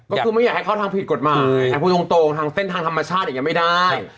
ก็คือไม่อยากให้เข้าทางผิดกฎหมายพูดตรงทางเส้นทางธรรมชาติอย่างนี้ไม่ได้